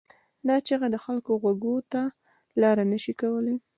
دا چیغه د خلکو غوږونو ته لاره نه شي کولای.